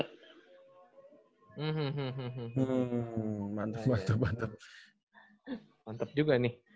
hmm mantep mantep mantep mantep juga nih